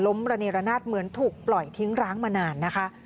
ประเนรนาศเหมือนถูกปล่อยทิ้งร้างมานานนะคะ